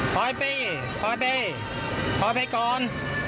ท้อยไปท้อยไปท้อยไปก่อน